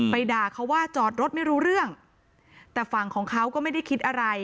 ด่าเขาว่าจอดรถไม่รู้เรื่องแต่ฝั่งของเขาก็ไม่ได้คิดอะไร